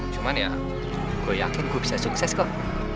cuman ya gue yakin gue bisa sukses kok